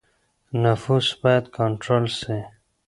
نفوس بايد کنټرول سي.